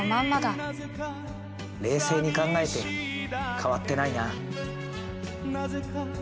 冷静に考えて変わってないな。